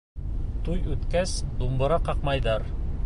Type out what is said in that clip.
Туй үткәс, думбыра ҡаҡмайҙар.